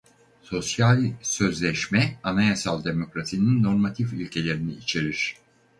Sosyal sözleşme anayasal demokrasinin normatif ilkelerini içerir.